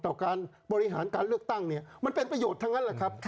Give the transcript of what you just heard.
ต่อการบริหารการเลือกตั้งเนี่ยมันเป็นประโยชน์ทั้งนั้นแหละครับ